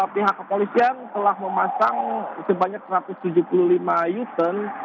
pihak kepolisian telah memasang sebanyak satu ratus tujuh puluh lima uten